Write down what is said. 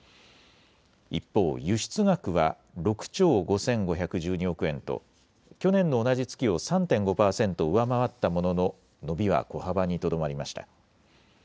一方、輸出額は６兆５５１２億円と去年の同じ月を３．５％上回ったものの伸びは小幅にとどまりました。